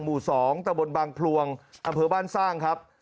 หมู่๒ตะบนบางพลวงอำเภอบ้านสร้างครับ